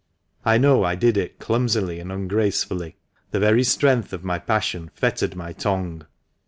I know I did it clumsily and ungracefully ; the very strength of my passion fettered my tongue.